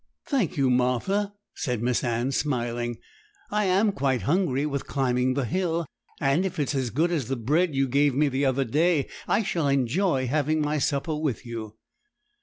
'Thank you, Martha,' said Miss Anne, smiling; 'I am quite hungry with climbing the hill, and if it is as good as the bread you gave me the other day, I shall enjoy having my supper with you.'